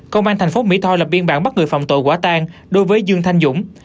công an thành phố mỹ tho lập biên bản bắt người phạm tội quả tan đối với dương thanh dũng